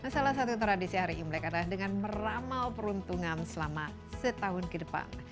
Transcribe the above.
salah satu tradisi hari imlek adalah dengan meramal peruntungan selama setahun ke depan